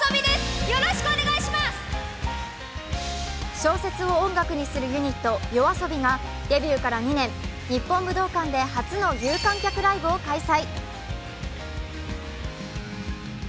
小説を音楽にするユニット、ＹＯＡＳＯＢＩがデビューから２年、日本武道館で初の有観客ライブを開催。